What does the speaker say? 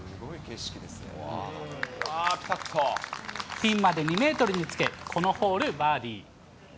ピンまで２メートルにつけ、このホール、バーディー。